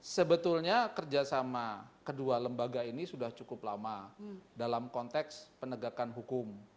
sebetulnya kerjasama kedua lembaga ini sudah cukup lama dalam konteks penegakan hukum